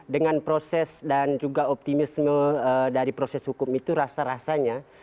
dengan proses dan juga optimisme dari proses hukum itu rasa rasanya